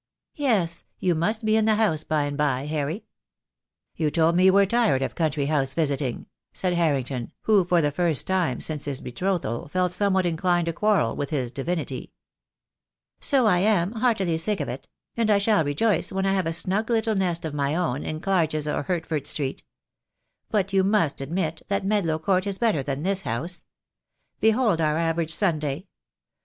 Yes, you must be in the House, by and bye, Harry." "You told me you were tired of country house visiting," said Harrington, who for the first time since his betrothal felt somewhat inclined to quarrel with his divinity. "So I am, heartily sick of it; and I shall rejoice when I have a snug little nest of my own in Clarges or Hert ford Street. But you must admit that Medlow Court is better than this house. Behold our average Sunday!